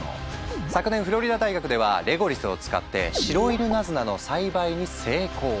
昨年フロリダ大学ではレゴリスを使ってシロイヌナズナの栽培に成功。